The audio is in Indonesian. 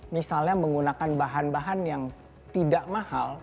misalnya menggunakan bahan bahan yang tidak mahal